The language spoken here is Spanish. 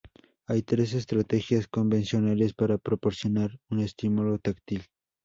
Hay tres estrategias convencionales para proporcionar un estímulo táctil.